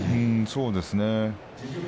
そうですね。